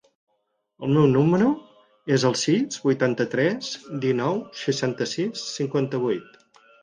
El meu número es el sis, vuitanta-tres, dinou, seixanta-sis, cinquanta-vuit.